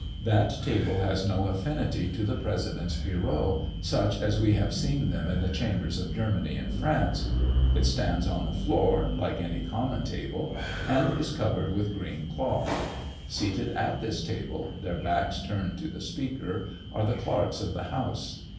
That table has no affinity to the Presidents' bureaux, such as we have seen them in the chambers of Germany and France; it stands on the floor, like any common table, and is covered with green cloth. Seated at this table, their backs turned to the Speaker, are the clerks of the House.